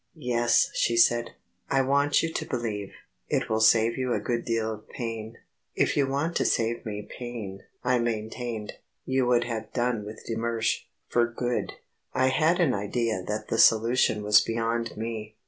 "Yes," she said, "I want you to believe. It will save you a good deal of pain." "If you wanted to save me pain," I maintained, "you would have done with de Mersch ... for good." I had an idea that the solution was beyond me.